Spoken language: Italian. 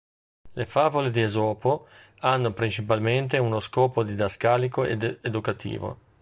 Le favole di Esopo hanno principalmente uno scopo didascalico ed educativo.